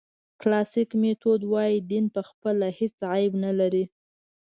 کلاسیک میتود وایي دین پخپله هېڅ عیب نه لري.